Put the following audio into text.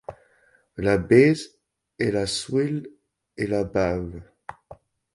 La baise et la souille, et la bave